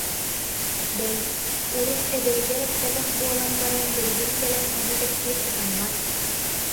Бэл, урут эдэригэр эппэтэх буолан баран билигин кэлэн ону кэпсиир сатаммат